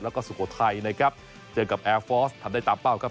แล้วก็สุโขทัยนะครับเจอกับแอร์ฟอร์สทำได้ตามเป้าครับ